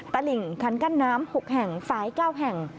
ตลิ่งคันกั้นน้ำ๖แห่งฝ่าย๙แห่ง